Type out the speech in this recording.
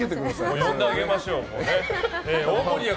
呼んであげましょう。